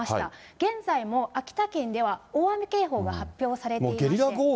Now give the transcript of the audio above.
現在も秋田県では大雨警報が発表されていまして。